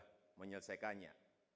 kita harus menjaga kekuasaan kita